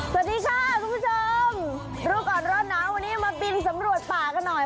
สวัสดีค่ะคุณผู้ชมรู้ก่อนร้อนหนาววันนี้มาบินสำรวจป่ากันหน่อย